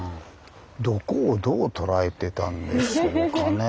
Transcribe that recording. どこをどう捉えてたんでしょうかね。